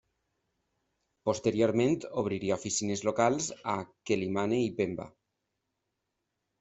Posteriorment obriria oficines locals a Quelimane i Pemba.